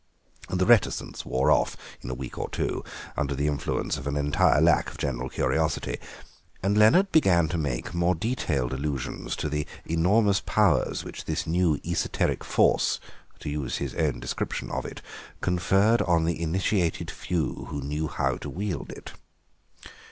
The reticence wore off in a week or two under the influence of an entire lack of general curiosity, and Leonard began to make more detailed allusions to the enormous powers which this new esoteric force, to use his own description of it, conferred on the initiated few who knew how to wield it.